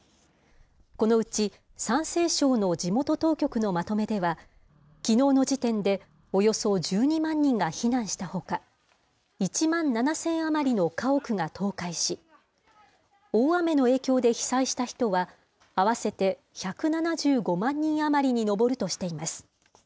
このうち、山西省の地元当局のまとめでは、きのうの時点でおよそ１２万人が避難したほか、１万７０００余りの家屋が倒壊し、大雨の影響で被災した人は合わせて１７５万人余りに上るとしています。